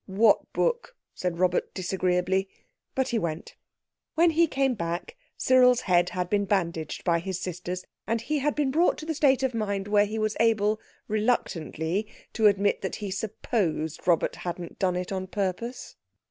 "What book?" said Robert disagreeably. But he went. When he came back Cyril's head had been bandaged by his sisters, and he had been brought to the state of mind where he was able reluctantly to admit that he supposed Robert hadn't done it on purpose.